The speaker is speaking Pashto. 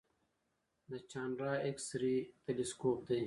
د چانډرا ایکس رې تلسکوپ دی.